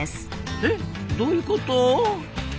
えどういうこと？